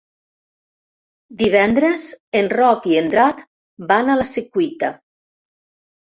Divendres en Roc i en Drac van a la Secuita.